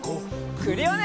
クリオネ！